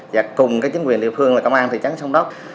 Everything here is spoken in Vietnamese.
và cùng chính quyền địa phương là công an thị trấn sông đốc